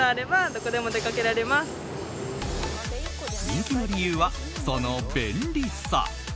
人気の理由は、その便利さ。